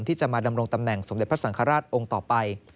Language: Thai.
ที่จะมาดำรงตำแหน่งสมเด็จพระสังฆราชองค์ต่อไป